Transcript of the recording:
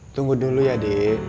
tunggu dulu ya d